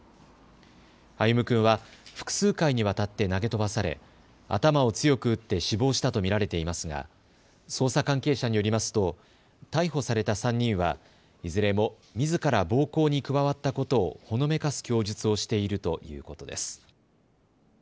歩夢君は複数回にわたって投げ飛ばされ頭を強く打って死亡したと見られていますが捜査関係者によりますと逮捕された３人はいずれもみずから暴行に加わったことをほのめかす供述をしているということです。